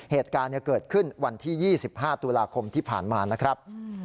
เหตุการณ์เกิดขึ้นวันที่๒๕ตุลาคมที่ผ่านมานะครับ